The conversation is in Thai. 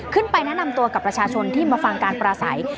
แนะนำตัวกับประชาชนที่มาฟังการปราศัย